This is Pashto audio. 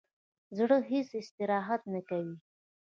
زړه هیڅ استراحت نه کوي